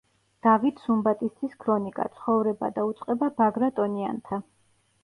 დავით სუმბატის ძის ქრონიკა, „ცხოვრება და უწყება ბაგრატონიანთა“